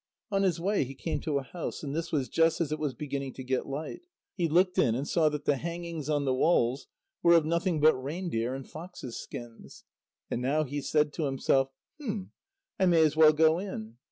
On his way he came to a house, and this was just as it was beginning to get light. He looked in, and saw that the hangings on the walls were of nothing but reindeer and foxes' skins. And now he said to himself: "Hum I may as well go in."